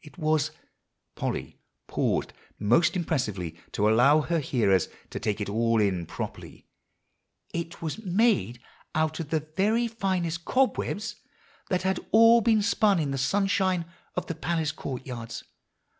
It was" Polly paused most impressively to allow her hearers to take it all in properly, "it was made out of the very finest cobwebs that had all been spun in the sunshine of the palace court yards.